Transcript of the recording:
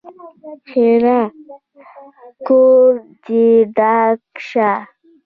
ښېرا: کور دې ډاک شه!